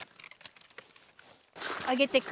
上げていく。